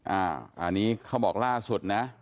อันนี้เขาบอกล่าสุดนะ